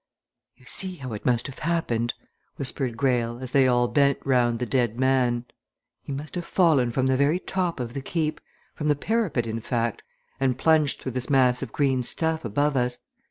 "You see how it must have happened," whispered Greyle, as they all bent round the dead man. "He must have fallen from the very top of the Keep from the parapet, in fact and plunged through this mass of green stuff above us.